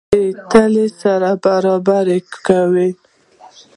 دوه پله یي تلې سره اندازه کوو.